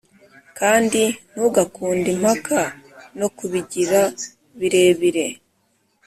kandi ntugakunde impaka no kubigira birebire.